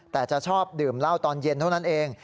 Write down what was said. แต่จะชอบดื่มเหล้าตอนเย็นเท่านั้นเอง